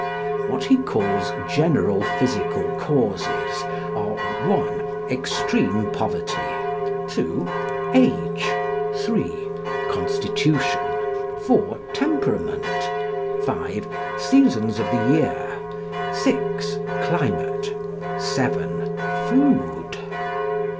What he calls "General Physical Causes" are (1) Extreme Poverty, (2) Age, (3) Constitution, (4) Temperament, (5) Seasons of the Year, (6) Climate, (7) Food.